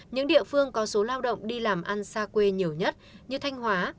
những địa phương có số lao động đi làm ăn xa quê nhiều nhất như thanh hóa